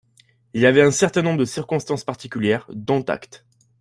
Il y avait un certain nombre de circonstances particulières, dont acte.